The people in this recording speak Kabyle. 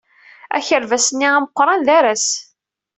Akerbas-nni ameqran d aras.